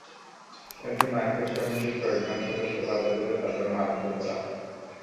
এতে মার্কেট কমিটির কয়েকজন সদস্য বাধা দিলে তাঁদের মারধর করা হয়।